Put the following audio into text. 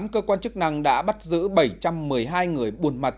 cơ quan chức năng đã bắt giữ bảy trăm một mươi hai người